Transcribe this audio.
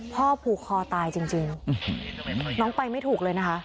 พ่อผูกคอตายจริงน้องไปไม่ถูกเลยนะคะ